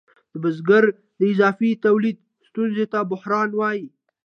د بزګرۍ د اضافي تولید ستونزې ته بحران وايي